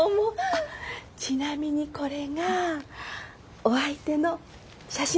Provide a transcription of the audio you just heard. あっちなみにこれがお相手の写真です。